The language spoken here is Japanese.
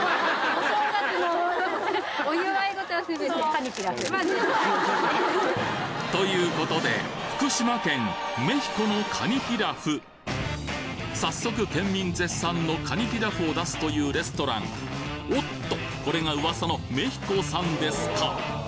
カニピラフ？ということでさっそく県民絶賛のカニピラフを出すというレストランおっとこれが噂のメヒコさんですか